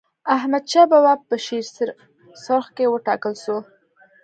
احمدشاه بابا په شیرسرخ کي و ټاکل سو.